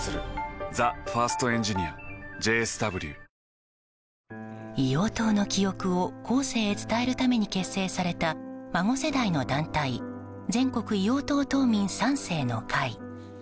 お申込みは硫黄島の記憶を後世へ伝えるために結成された孫世代の団体全国硫黄島島民３世の会。